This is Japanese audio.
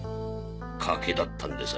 賭けだったんでさ。